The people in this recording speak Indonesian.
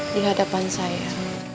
di hadapan saya